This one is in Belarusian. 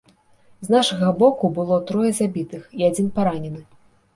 З нашага боку было трое забітых і адзін паранены.